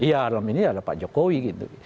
ya dalam inilah pak jokowi gitu